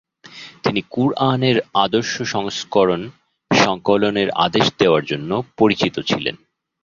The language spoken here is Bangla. তিনি কুরআনের আদর্শ সংস্করণ সংকলনের আদেশ দেওয়ার জন্য পরিচিত ছিলেন।